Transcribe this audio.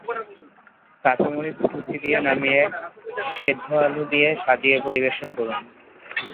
কাঁচা মরিচ কুচি দিয়ে নামিয়ে সেদ্ধ আলু দিয়ে সাজিয়ে পরিবেশন করুন।